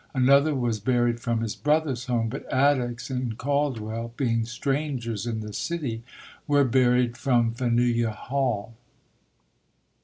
Another was 'buried from his brother's home, but Attucks and Caldwell, being strangers in the city, were buried from Faneuil Hall.